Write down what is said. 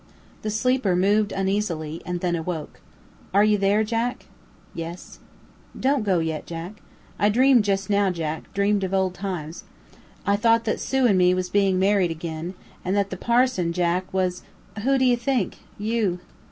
The sleeper moved uneasily, and then awoke. "Are you there Jack?" "Yes." "Don't go yet. I dreamed just now, Jack dreamed of old times. I thought that Sue and me was being married agin, and that the parson, Jack, was who do you think? you!"